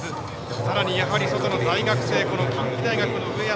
さらに、やはり外の大学生近畿大の上山。